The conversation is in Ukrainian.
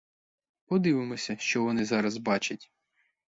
Подивимося, що вони зараз бачать.